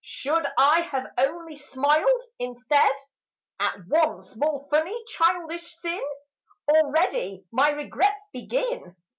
Should I have only smiled, instead, At one small funny childish sin? Already my regrets begin.